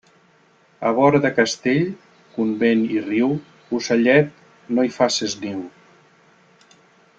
A vora de castell, convent i riu, ocellet, no hi faces niu.